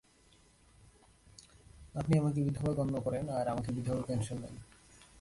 আপনি আমাকে বিধবা গন্য করেন আর আমাকে বিধবা পেনশন দেন।